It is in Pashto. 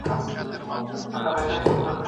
په تېرو دورو کي به د جرګي موده څو ورځې وه.